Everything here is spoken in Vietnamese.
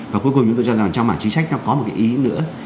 và cuối cùng chúng tôi cho rằng trong mảng chính sách nó có một cái ý nữa